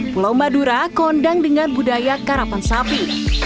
pulau madura kondang dengan budaya karapan sapi